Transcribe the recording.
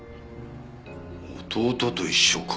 弟と一緒か。